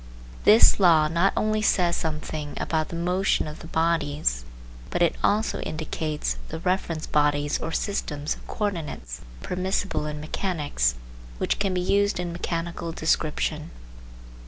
This law not only says something about the motion of the bodies, but it also indicates the reference bodies or systems of coordinates, permissible in mechanics, which can be used in mechanical description.